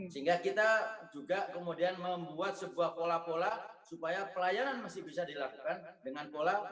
sehingga kita juga kemudian membuat sebuah pola pola supaya pelayanan masih bisa dilakukan dengan pola bahwa ada pendelegasi keunangan